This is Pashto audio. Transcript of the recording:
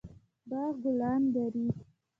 باغ ګلان لري